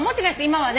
今はね。